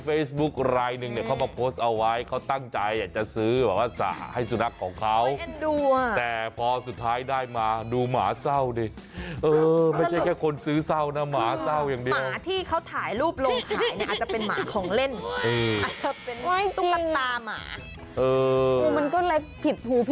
เอาเป็นว่าเวลาซื้อของออนลัด